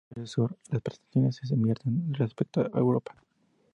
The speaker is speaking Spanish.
Al estar en el hemisferio sur, las estaciones se invierten respecto a Europa.